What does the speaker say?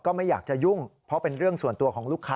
ไม่อยากจะยุ่งเพราะเป็นเรื่องส่วนตัวของลูกค้า